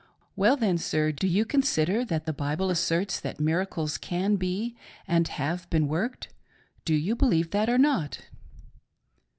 Well then, sir, — do you consider that the Bible asserts that miracles can be, and have been worked, — do you believe that, or not